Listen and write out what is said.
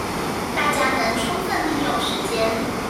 大家能充分利用時間